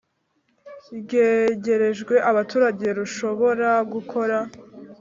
rwegerejwe abaturage rushobora gukora